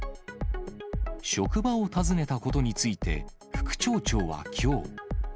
職場を訪ねたことについて、副町長はきょう。